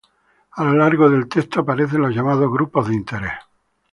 A lo largo del texto aparecen los llamados grupos de interés